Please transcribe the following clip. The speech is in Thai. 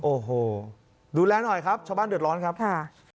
โอ้โหดูแลหน่อยครับชาวบ้านเดือดร้อนครับค่ะ